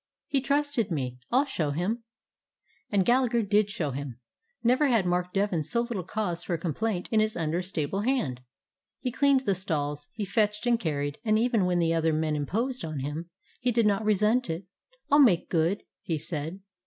"He trusted me. I 'll show him." And Gallagher did show him. Never had Mark Devin so little cause for complaint in liis under stable hand. He cleaned the stalls, he fetched and carried, and even when the other men imposed on him, he did not resent it. "I 'll make good," he said.